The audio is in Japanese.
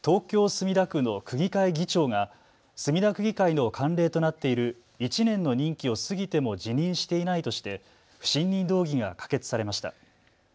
墨田区の区議会議長が墨田区議会の慣例となっている１年の任期を過ぎても辞任していないとして不信任動議が可決されました。